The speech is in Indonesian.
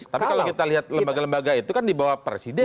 tapi kalau kita lihat lembaga lembaga itu kan di bawah presiden